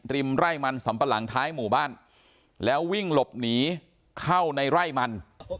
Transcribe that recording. ไร่มันสำปะหลังท้ายหมู่บ้านแล้ววิ่งหลบหนีเข้าในไร่มัน